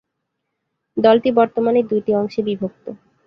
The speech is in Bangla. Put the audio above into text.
দলটি বর্তমানে দুইটি অংশে বিভক্ত।